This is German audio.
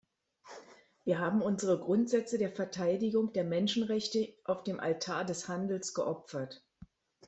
Wir haben unsere Grundsätze der Verteidigung der Menschenrechte auf dem Altar des Handels geopfert.